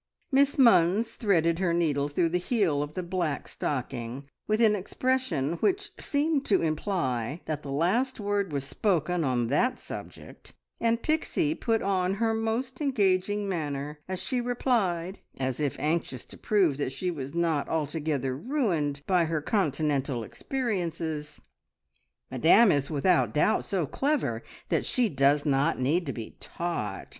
Miss Munns threaded her needle through the heel of the black stocking with an expression which seemed to imply that the last word was spoken on that subject, and Pixie put on her most engaging manner as she replied, as if anxious to prove that she was not altogether ruined by her Continental experiences "Madame is without doubt so clever that she does not need to be taught.